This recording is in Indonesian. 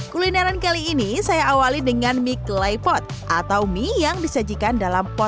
kulineran kali ini saya awali dengan mie klaipot atau mie yang disajikan dalam potanah liat